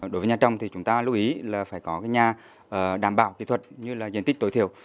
đối với nhà trồng thì chúng ta lưu ý là phải có nhà đảm bảo kỹ thuật như là diện tích tối thiểu